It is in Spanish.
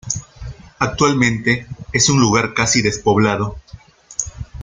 Actualmente es un lugar casi despoblado.